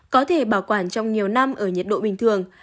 có thể bảo quản trong nhiều năm ở nhiệt độ bình thường